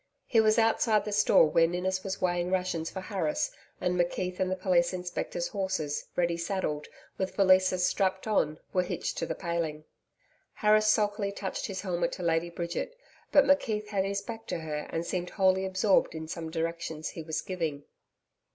He was outside the store, where Ninnis was weighing rations for Harris, and McKeith's and the Police Inspector's horses, ready saddled, with valises strapped on, were hitched to the paling. Harris sulkily touched his helmet to Lady Bridget, but McKeith had his back to her and seemed wholly absorbed in some directions he was giving.